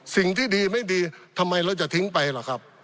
สิ่งที่ดีไม่ดีทำไมเราจะทิ้งไปล่ะครับ